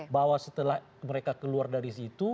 bahwa setelah mereka keluar dari situ